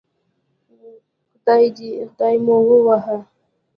خدای مو ووهه